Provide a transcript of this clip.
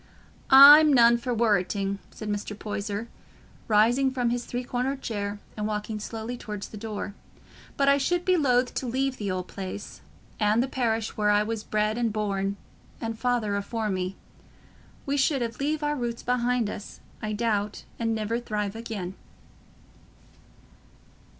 "I'm none for worreting," said Mr. Poyser, rising from his three cornered chair and walking slowly towards the door; "but I should be loath to leave th' old place, and the parish where I was bred and born, and Father afore me. We should leave our roots behind us, I doubt, and niver thrive again."